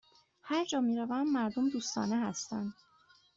هرجا می روم، مردم دوستانه هستند.